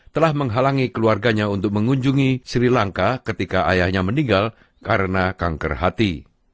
telah menghalangi keluarganya untuk mengunjungi sri lanka ketika ayahnya meninggal karena kanker hati